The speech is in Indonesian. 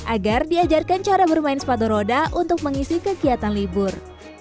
agar diajarkan cara bermain sepatu roda untuk mengisi kegiatan libur